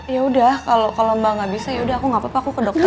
ya udah kalau mbak gak bisa ya udah aku gak apa apa aku ke dokter aja